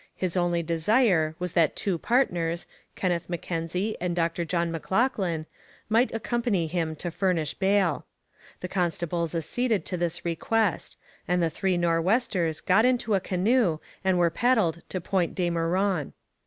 His only desire was that two partners, Kenneth M'Kenzie and Dr John M'Loughlin, might accompany him to furnish bail. The constables acceded to this request, and the three Nor'westers got into a canoe and were paddled to Point De Meuron.